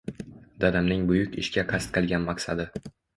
Dadamning buyuk ishga qasd qilgan maqsadi.